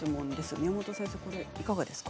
宮本先生、いかがですか？